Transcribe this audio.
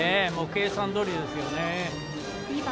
計算どおりですけどね。